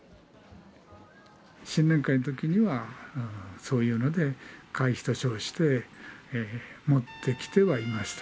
新年会のときには、そういうので、会費と称して持ってきてはいました。